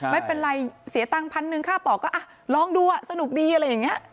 ไม่เป็นไรเสียตังค์พันหนึ่งค่าปอกก็ลองดูสนุกดีอะไรอย่างนี้